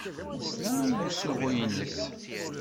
Nesla i usuɣu-nnes.